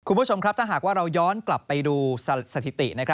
คุณผู้ชมครับถ้าหากว่าเราย้อนกลับไปดูสถิติ